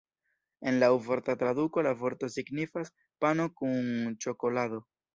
En laŭvorta traduko la vorto signifas "pano kun ĉokolado".